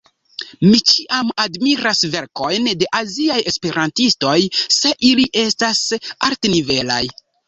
Mi ĉiam admiras verkojn de aziaj esperantistoj, se ili estas altnivelaj.